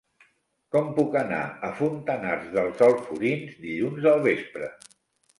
Com puc anar a Fontanars dels Alforins dilluns al vespre?